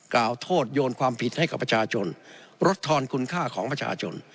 กล่าวโทษโยนความผิดให้กับประชาชนลดทอนคุณค่าของประชาชน